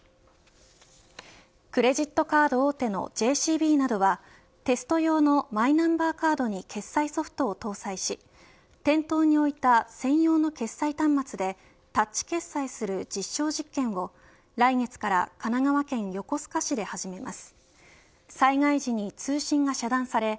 クレジットカード大手のＪＣＢなどはテスト用のマイナンバーカードに決済ソフトを搭載し店頭に置いた専用の決済端末でタッチ決済する実証実験を来月から神奈川県横須賀市で始めます。